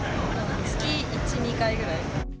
月１、２回ぐらい。